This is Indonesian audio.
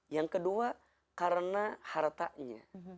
yang kedua karena hartanya